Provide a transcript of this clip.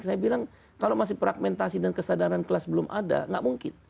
saya bilang kalau masih fragmentasi dan kesadaran kelas belum ada nggak mungkin